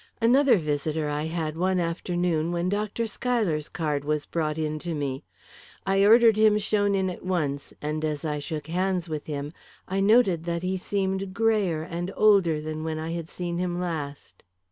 Another visitor I had one afternoon, when Dr. Schuyler's card was brought in to me. I ordered him shown in at once, and as I shook hands with him, I noted that he seemed greyer and older than when I had seen him last.